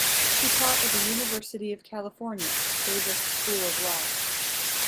He taught at the University of California, Davis School of Law.